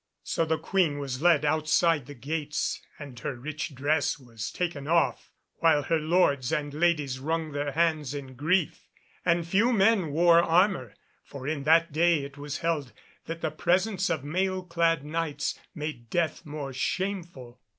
So the Queen was led outside the gates, and her rich dress was taken off, while her lords and ladies wrung their hands in grief, and few men wore armour, for in that day it was held that the presence of mail clad Knights made death more shameful.